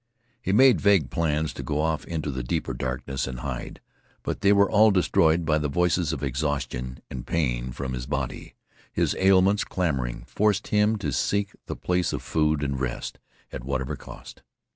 He made vague plans to go off into the deeper darkness and hide, but they were all destroyed by the voices of exhaustion and pain from his body. His ailments, clamoring, forced him to seek the place of food and rest, at whatever cost.